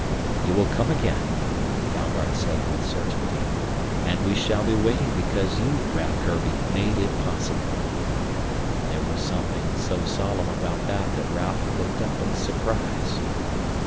"You will come again," Dalgard said with certainty. "And we shall be waiting because you, Raf Kurbi, made it possible." There was something so solemn about that that Raf looked up in surprise.